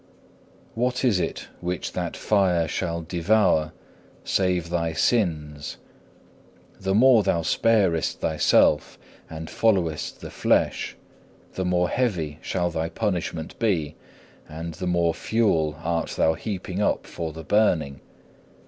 3. What is it which that fire shall devour, save thy sins? The more thou sparest thyself and followest the flesh, the more heavy shall thy punishment be, and the more fuel art thou heaping up for the burning.